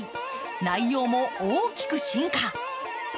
内容も大きく進化。